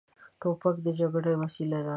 توپک د جګړې وسیله ده.